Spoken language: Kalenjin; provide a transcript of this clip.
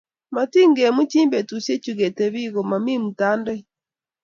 matikemuchi betusiechu ke tebii ko mami mtandaoit